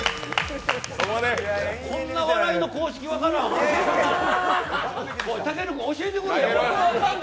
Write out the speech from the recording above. こんな笑いの公式分からん。